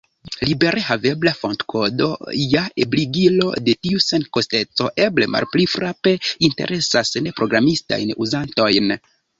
Libere havebla fontkodo, ja ebligilo de tiu senkosteco, eble malpli frape interesas neprogramistajn uzantojn.